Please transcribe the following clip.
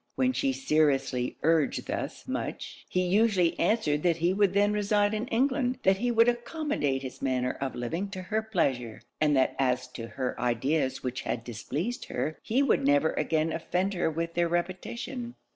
When she seriously urged thus much, he usually answered that he would then reside in England; that he would accommodate his manner of living to her pleasure; and that as to the ideas which had displeased her, he would never again offend her with their repetition.